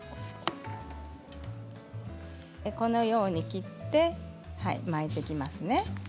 このように切って巻いていきますね。